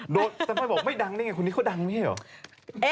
ทำไมบอกไม่ดังได้ไงคนนี้เขาดังไม่ใช่เหรอ